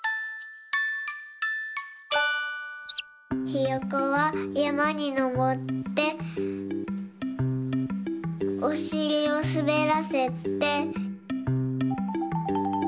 ひよこはやまにのぼっておしりをすべらせて。